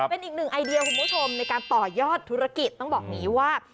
เป็นอีกหนึ่งไอเดียคุณผู้ชมในการต่อยอดธุรกิจต้องบอกอย่างนี้ว่า